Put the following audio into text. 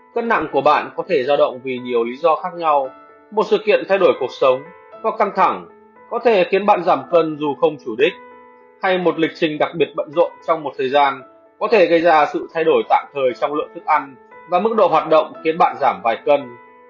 cân nặng của bạn có thể ra động vì nhiều lý do khác nhau một sự kiện thay đổi cuộc sống hoặc căng thẳng có thể khiến bạn giảm phân dù không chủ đích hay một lịch trình đặc biệt bận rộn trong một thời gian có thể gây ra sự thay đổi tạm thời trong lượng thức ăn và mức độ hoạt động khiến bạn giảm vài cân